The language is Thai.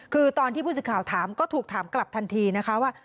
คือตอนที่ผู้สื่อข่าวถามก็ถูกถามกลับทันทีนะคะว่า